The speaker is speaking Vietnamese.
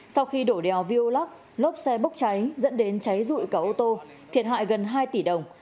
sau khi đổ đèo viêu lắc lốp xe bốc cháy dẫn đến cháy rụi cả ô tô thiệt hại gần hai tỷ đồng